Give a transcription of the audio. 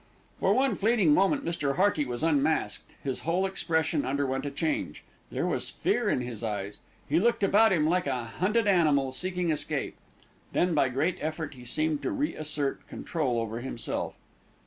For one fleeting moment Mr. Hearty was unmasked. His whole expression underwent a change. There was fear in his eyes. He looked about him like a hunted animal seeking escape. Then, by a great effort, he seemed to re assert control over himself.